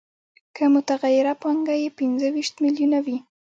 که متغیره پانګه یې پنځه ویشت میلیونه وي